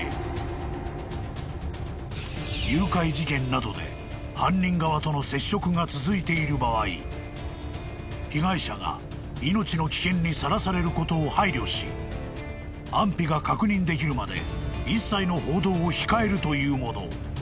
［誘拐事件などで犯人側との接触が続いている場合被害者が命の危険にさらされることを配慮し安否が確認できるまで一切の報道を控えるというもの］